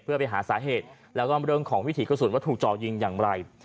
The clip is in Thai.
เพื่อไปหาสาเหตุแล้วก็เรื่องของวิถีกระสุนว่าถูกจ่อยิงอย่างไร